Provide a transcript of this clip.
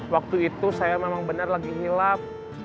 waktu itu saya memang bener lagi hilap